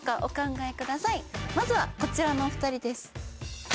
まずはこちらのお２人です。